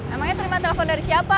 emangnya terima telepon dari siapa